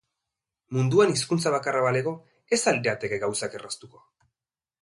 Munduan hizkuntza bakarra balego ez al lirateke gauzak erraztuko?